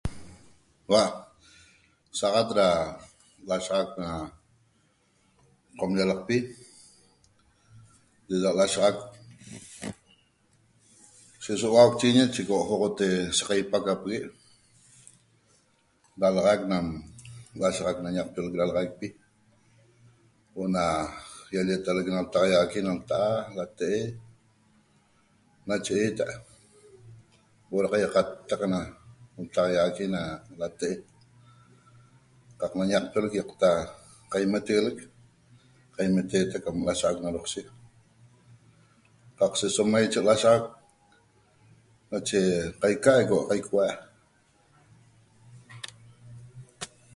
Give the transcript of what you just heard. Ba sa axat na lashaxaq na qom llalaqpi so uauchiguiñe ugute Da qaipaquepegue da nam lashaxaq na ñaqpioleq dalaxaipi uoo' na llaletaleq ena ltaiaxaqui na ltaa' latee' nacheheta uoo' da qaiqatteq na ltaiaxaqui na latee' qa na ñaqpioleq da immeteleq qaimeteteq na lashaxq na docce jaq mache so lashaxaq mache qaiqa da qaicuee'